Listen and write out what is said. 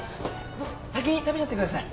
どうぞ先に食べちゃってください